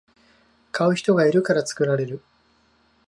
買う人がいるから作られる